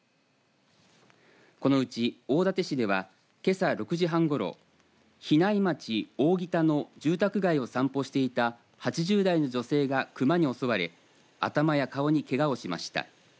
このうち大館市ではけさ６時半ごろ比内町扇田の住宅街を散歩していた８０代の女性が熊に襲われ頭や顔にけがをしました。